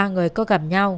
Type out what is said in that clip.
ba người có gặp nhau